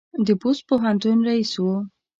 د بُست پوهنتون رییس و.